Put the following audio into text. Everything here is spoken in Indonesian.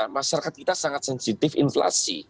masyarakat kita sangat sensitif inflasi